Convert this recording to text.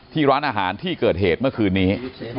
ร้านอาหารที่เกิดเหตุเมื่อคืนนี้